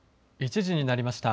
１時になりました。